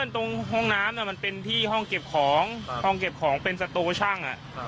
ตรงห้องน้ำมันเป็นที่ห้องเก็บของห้องเก็บของเป็นสโตชั่ง